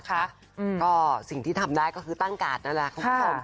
ก็สิ่งที่ทำได้ก็คือตั้งการ์ดนั่นแหละค่ะ